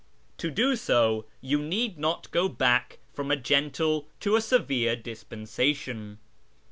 To do so you need not go back from a gentle to a severe dispensation.